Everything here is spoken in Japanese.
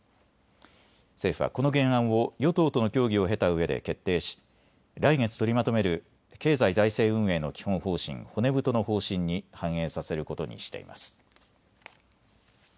政府はこの原案を与党との協議を経たうえで決定し来月取りまとめる経済財政運営の基本方針、骨太の方針に反映させることにしています。